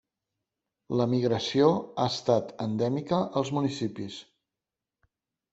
L'emigració ha estat endèmica als municipis.